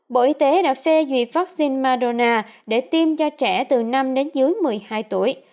bộ y tế đã phê duyệt vaccine mardona để tiêm cho trẻ từ năm đến dưới một mươi hai tuổi